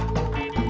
sampai jumpa lagi